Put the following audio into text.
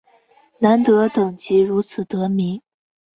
南德等即如此得名。